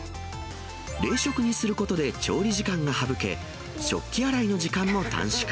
冷食にすることで調理時間が省け、食器洗いの時間も短縮。